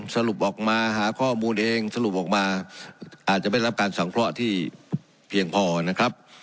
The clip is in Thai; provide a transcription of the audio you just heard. สรุปออกมาหาข้อมูลเองสรุปออกมาอาจจะไม่รับการสังเคราะห์ที่เพียงพอนะครับ